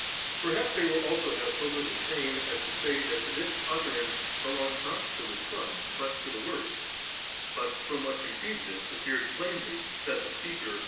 i8. Perhaps they will have so little shame as to say, that this utterance belongs not to the Son but to Uie Word; but from what preceded it appeared plainly that the speaker was the Son.